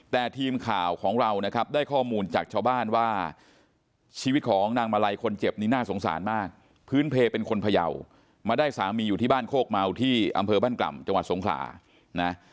แต่ทีมข่าวของเรานะครับได้ข้อมูลจากชาวบ้านว่าชีวิตของนางมาลัยคนเจ็บนี้น่าสงสารมากพื้นเพลเป็นคนพยาวมาได้สามีอยู่ที่บ้านโคกเมาที่อำเภอบ้านกล่ำจังหวัดสงขลานะ